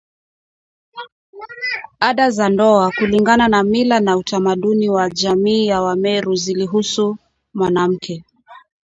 ada za ndoa kulingana na mila na utamaduni wa jamii ya Wameru zilihusu mwanamke